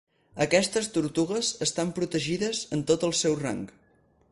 Aquestes tortugues estan protegides en tot el seu rang.